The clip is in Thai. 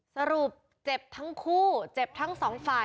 สรุปเจ็บทั้งคู่เจ็บทั้งสองฝ่าย